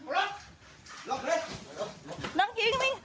ลุก